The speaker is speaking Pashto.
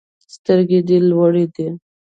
سترګي دي لوړی